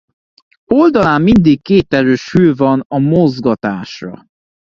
Oldalán mindig két erős fül van a mozgatásra.